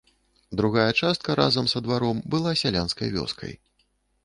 Другая частка разам са дваром была сялянскай вёскай.